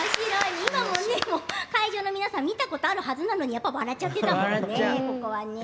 今も会場の皆さん見たことあるはずなのにやっぱり笑っちゃったもんね。